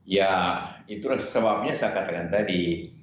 ya itulah sebabnya saya katakan tadi